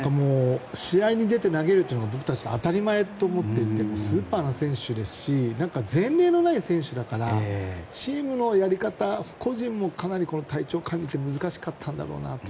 試合に出て投げるというのが僕たち、当たり前と思っていてスーパーな選手ですし前例のない選手だからチームのやり方個人もかなり体調管理って難しかったんだろうなって。